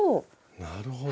なるほど。